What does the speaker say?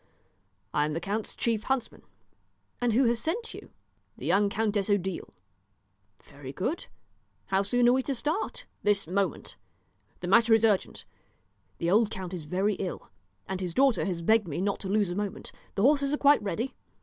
"I am the count's chief huntsman." "And who has sent you?" "The young Countess Odile." "Very good. How soon are we to start?" "This moment. The matter is urgent; the old count is very ill, and his daughter has begged me not to lose a moment. The horses are quite ready."